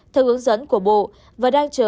theo hướng dẫn của bộ và đang chờ